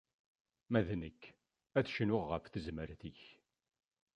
Ma d nekk, ad cnuɣ ɣef tezmert-ik.